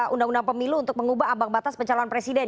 undang undang pemilu untuk mengubah ambang batas pencalon presiden